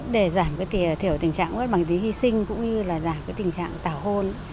để giảm thiểu tình trạng mất bằng giới tính khi sinh cũng như giảm tình trạng tạo hôn